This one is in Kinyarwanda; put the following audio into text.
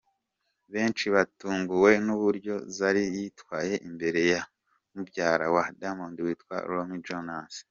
Benshi batunguwe n’uburyo Zari yitwaye imbere ya Mubyara wa Diamond witwa Rommy Jones.